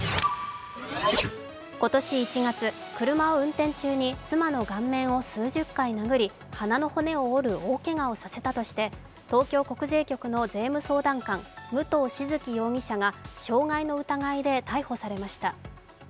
今年１月、車を運転中に妻の画面を数十回殴り、鼻の骨を折る大けがをさせたとして東京国税局の税務相談官、武藤静城容疑者が傷害の疑いで逮捕されました。